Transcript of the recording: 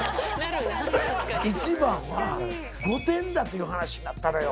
一番は『御殿』だという話になったのよ。